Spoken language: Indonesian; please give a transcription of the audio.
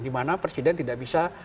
dimana presiden tidak bisa